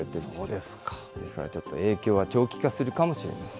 ですからちょっと影響は長期化するかもしれません。